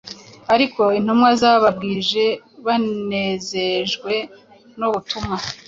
ariko intumwa zababwirije, banezejwe n’ubutumwa